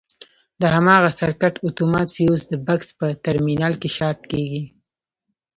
د هماغه سرکټ اتومات فیوز د بکس په ترمینل کې شارټ کېږي.